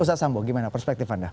ustadz sambo gimana perspektif anda